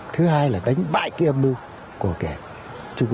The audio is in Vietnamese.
thứ hai là đánh bại cái âm mưu